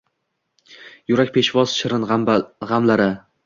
Yurak peshvoz shirin gʼamlara.